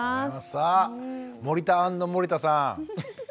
さあ森田＆森田さん。